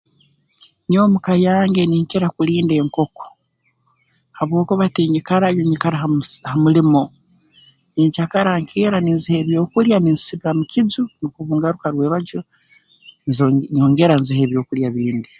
Nyowe mu ka yange ninkira kulinda enkoko habwokuba tinyikarayo nyikara ha musi ha mulimo nyenkyara nkeera ninziha ebyokulya ninzisibira mu kiju nukwo obungaruka rwebagyo nzo nyongera nziha ebyokulya bindi